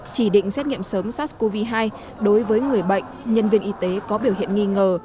chỉ định xét nghiệm sớm sars cov hai đối với người bệnh nhân viên y tế có biểu hiện nghi ngờ